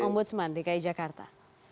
om budsman dki jakarta